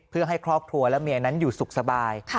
เพื่อให้ครอบครัวและเมียนั้นอยู่สุขสบาย